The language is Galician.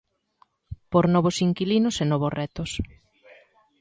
Por novos inquilinos e novos retos.